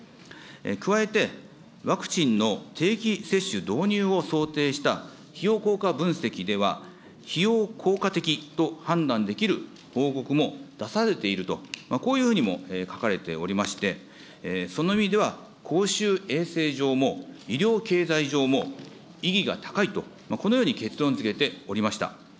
加えて、ワクチンの定期接種導入を想定した費用効果分析では、費用効果的と判断できる報告も出されていると、こういうふうにも書かれておりまして、その意味では、公衆衛生上も、医療経済上も、意義が高いと、このように結論づけておりました。